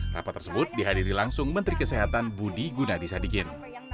rapat tersebut dihadiri langsung menteri kesehatan budi gunadisadikin